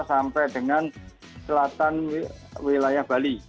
sampai dengan selatan wilayah bali